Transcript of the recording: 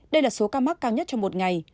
đây là số ca mắc cao nhất trong một ngày